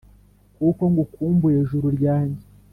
Kuko ngukumbuye Juru ryanjye.